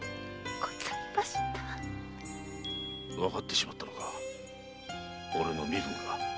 わかってしまったのか俺の身分が。